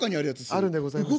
「あるんでございます」。